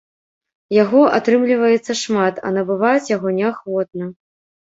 Яго атрымліваецца шмат, а набываюць яго неахвотна.